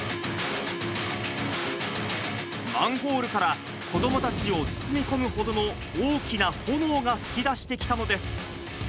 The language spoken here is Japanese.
マンホールから子どもたちを包み込むほどの大きな炎が噴きだしてきたのです。